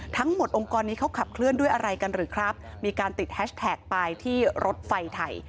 ทั้งหมดองค์กรนี้เขาขับเคลื่อนด้วยอะไรกันหรือครับมีการติดแฮชแท็กไปที่รถไฟไทย